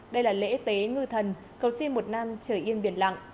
đây là lễ tế ngư thần cầu xin một năm trời yên biển lặng